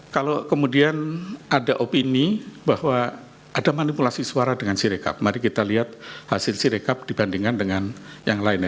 kalau kemudian ada opini bahwa ada manipulasi suara dengan sirekap mari kita lihat hasil sirekap dibandingkan dengan yang lainnya